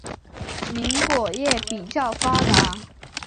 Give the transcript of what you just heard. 林果业比较发达。